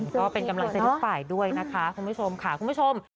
ก็เป็นกำลังใจทุกฝ่ายด้วยนะคะคุณผู้ชมค่ะคุณผู้ชม